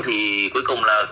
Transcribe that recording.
thì cuối cùng là